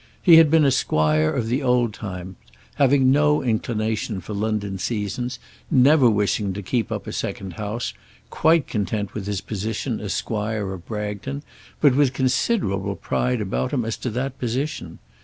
He had been a squire of the old times, having no inclination for London seasons, never wishing to keep up a second house, quite content with his position as squire of Bragton, but with considerable pride about him as to that position.